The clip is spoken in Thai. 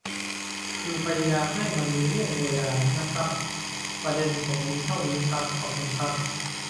คือพยายามให้มันมีเรื่องเวลาน่ะครับ ประเด็นผมมีเท่านี้ครับ ขอบคุณครับ